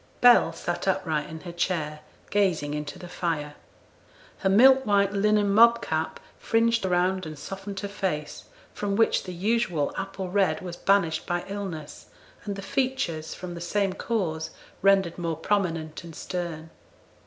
Bell sat upright in her chair, gazing into the fire. Her milk white linen mob cap fringed round and softened her face, from which the usual apple red was banished by illness, and the features, from the same cause, rendered more prominent and stern.